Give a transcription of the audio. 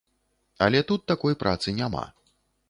Але тут такой працы няма.